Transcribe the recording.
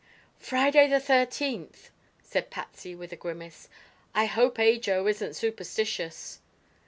"Friday, the thirteenth!" said Patsy with a grimace. "I hope Ajo isn't superstitious."